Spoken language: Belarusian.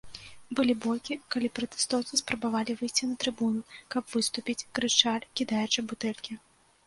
Былі бойкі, калі пратэстоўцы спрабавалі выйсці на трыбуну, каб выступіць, крычалі, кідаючы бутэлькі.